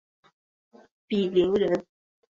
鄙陵人。